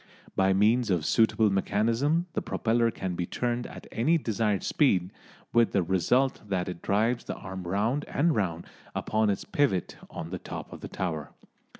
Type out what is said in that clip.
By means of suitable mechanism the propeller can be turned at any desired speed, with the result that it drives the arm round and round upon its pivot on the top of the tower.